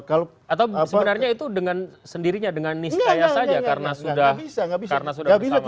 atau sebenarnya itu dengan sendirinya dengan niscaya saja karena sudah bersama